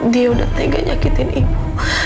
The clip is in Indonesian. dia yang udah tegak nyakitin ibu